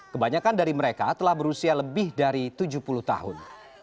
kebanyakan dari mereka telah berusia lebih dari tujuh puluh tahun